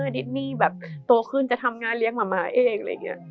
ดิสนี่โตขึ้นจะทำงานเลี้ยงมาม่าเอง